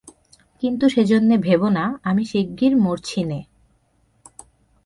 কিন্তু সেজন্যে ভেবো না, আমি শিগগির মরছি নে।